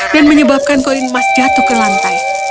menyebabkan koin emas jatuh ke lantai